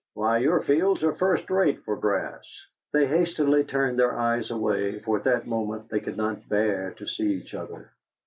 Why, your fields are first rate for grass." They hastily turned their eyes away, for at that moment they could not bear to see each other.